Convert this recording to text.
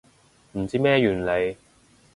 唔知咩原理